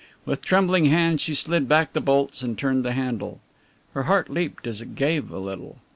With trembling hands she slid back the bolts and turned the handle. Her heart leapt as it gave a little.